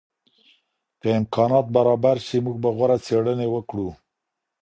که امکانات برابر سي موږ به غوره څېړني وکړو.